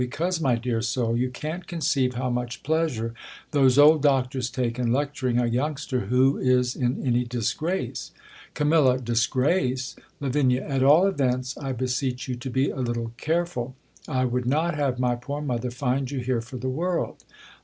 Because, my dear soul , you can't conceive ho^r much pleasure those old doctors take hi lecturing a youngster who is in any disgrace. 4'a/?2. Disgrace ! Lav. At all events, I beseech you to be a little care ;ul ; I would not have my poor mother find you here for the world.